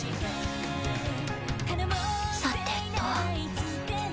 さてと。